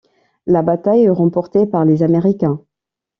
La bataille est remportée par les Américains.